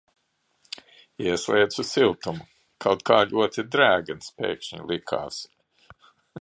Ieslēdzu siltumu, kaut kā ļoti drēgns pēkšņi likās.